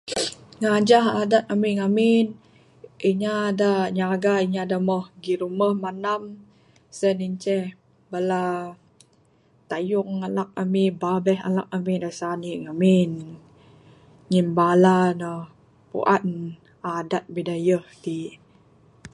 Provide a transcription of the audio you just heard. Ngajah adat ami ngemin inya dak nyaga inya dak moh girumeh mendam sien inceh bala teyung alak ami babeh alak ami dak sanik ngemin, ngin bala ne puan adat bidayuh t.